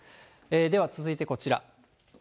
では続いてこちら。